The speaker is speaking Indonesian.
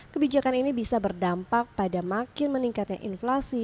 kebijakan ini bisa berdampak pada makin meningkatnya inflasi